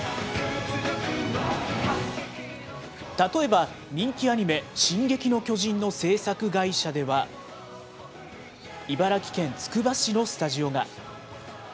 例えば、人気アニメ、進撃の巨人の制作会社では、茨城県つくば市のスタジオが。